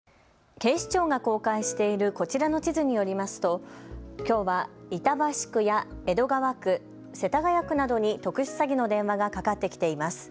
警視庁が公開しているこちらの地図によりますときょうは板橋区や江戸川区、世田谷区などに特殊詐欺の電話がかかってきています。